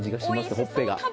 ほっぺが。